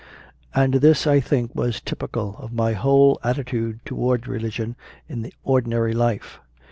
And this, I think, was typical of my whole atti tude towards religion in ordinary life.